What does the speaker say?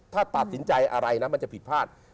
ถ้าตัดสินใจอะไรนะมันจะผิดพลาด